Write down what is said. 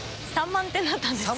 ３万点だった。